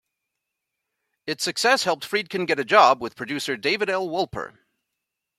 Its success helped Friedkin get a job with producer David L. Wolper.